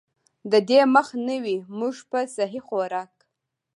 د دې مخ نيوے مونږ پۀ سهي خوراک ،